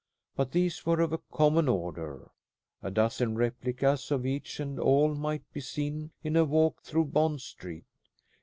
But these were of a common order. A dozen replicas of each and all might be seen in a walk through Bond Street.